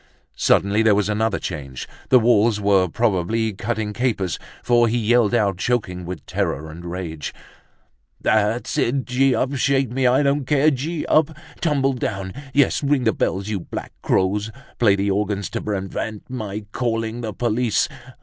Suddenly there was another change, the walls were probably cutting capers, for he yelled out, choking with terror and rage: "That's it, gee up! Shake me, I don't care! Gee up! Tumble down! Yes, ring the bells, you black crows! Play the organ to prevent my calling the police.